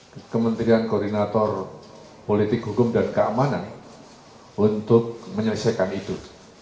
dan kementerian koordinator politik hukum dan keamanan untuk menyelesaikan itu